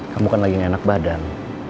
kamu kan lagi enak badan